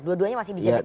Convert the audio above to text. dua duanya masih dijajaki